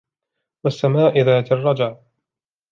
وَالسَّمَاءِ ذَاتِ الرَّجْعِ